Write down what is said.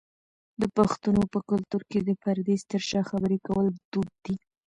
د پښتنو په کلتور کې د پردې تر شا خبری کول دود دی.